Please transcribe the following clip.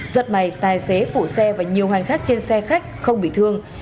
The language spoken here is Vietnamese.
giật mày tài xế phủ xe và nhiều hoàn khắc trên xe khách không bị thương